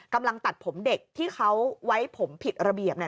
กำลังตัดผมเด็กที่เขาไว้ผมผิดระเบียบเนี่ย